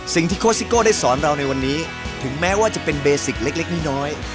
สิ่งที่โค้ชซิโก้ได้สอนเราในวันนี้ถึงแม้ว่าจะเป็นเล็กเล็กนิ้น้อย